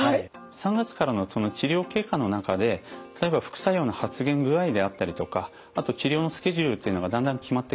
３月からの治療経過の中で例えば副作用の発現具合であったりとかあと治療のスケジュールっていうのがだんだん決まってきます。